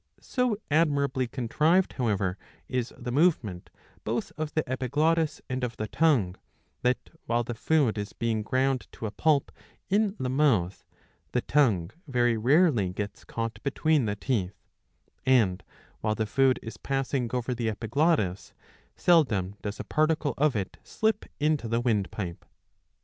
So admirably contrived, however, is the movement both of the epiglottis and of the tongue, that, while the food is being ground to a pulp in the mouth, the tongue very rarely gets caught between the teeth ; and, while the food is passing over the epiglottis, seldom does a particle of it slip into the windpipe.